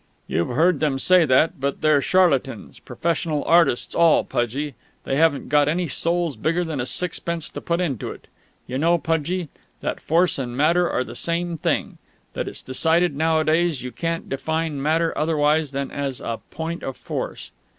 "You've heard them say that; but they're charlatans, professional artists, all, Pudgie. They haven't got any souls bigger than a sixpence to put into it.... You know, Pudgie, that Force and Matter are the same thing that it's decided nowadays that you can't define matter otherwise than as 'a point of Force'?"